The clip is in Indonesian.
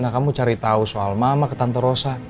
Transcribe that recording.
nah kamu cari tau soal mama ke tante rosa